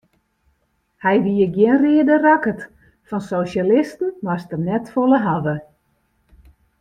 Hy wie gjin reade rakkert, fan sosjalisten moast er net folle hawwe.